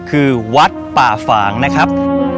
คือวัดป่าฝางนะครับ